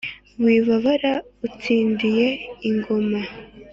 wibabara utsindiye ingoma